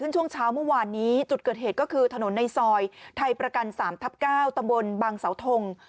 ช่วงเช้าเมื่อวานนี้จุดเกิดเหตุก็คือถนนในซอยไทยประกัน๓ทับ๙ตำบลบางเสาทง